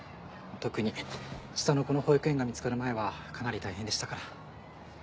特に下の子の保育園が見つかる前はかなり大変でしたから。